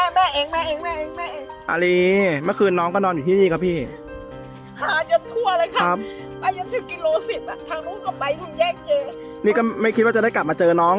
ไม่ไหวหรือไม่มีแม่แม่ไอ้มั้ยแม่ไอ้อายิมันคืนน้อง